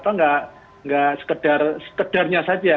nggak sekedarnya saja